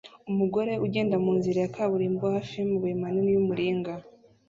Umugore ugenda munzira ya kaburimbo hafi yamabuye manini y'umuringa